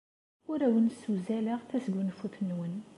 Ur awen-ssewzaleɣ tasgunfut-nwen.